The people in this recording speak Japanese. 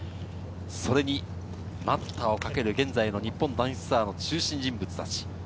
それに待ったをかける現在の日本男子ツアーの中心人物たち。